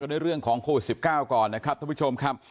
ด้วยเรื่องของโควิด๑๙ก่อนนะครับท่านผู้ชมครับ